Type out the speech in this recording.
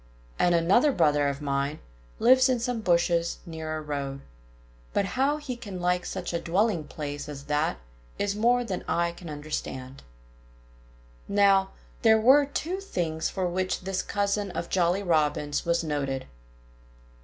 And another brother of mine lives in some bushes near a road. But how he can like such a dwelling place as that is more than I can understand." Now, there were two things for which this cousin of Jolly Robin's was noted.